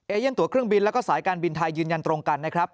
เอเยีนตัวเครื่องบินแล้วก็สายการบินไทยยืนยันตรงกันนะครับ